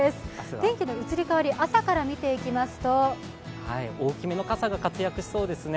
天気の移り変わり、朝から見ていきますと大きめの傘が活躍しそうですね。